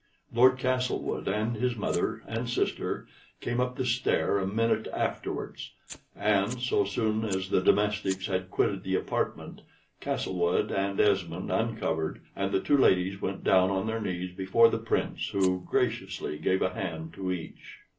Lord Castlewood and his mother and sister came up the stair a minute afterwards, and, so soon as the domestics had quitted the apartment, Castlewood and Esmond uncovered, and the two ladies went down on their knees before the Prince, who graciously gave a hand to each.